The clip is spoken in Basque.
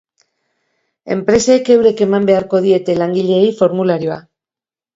Enpresek eurek eman beharko diete langileei formularioa.